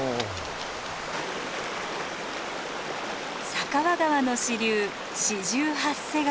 酒匂川の支流四十八瀬川。